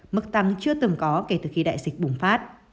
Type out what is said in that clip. mức tăng chưa từng có kể từ khi đại dịch bùng phát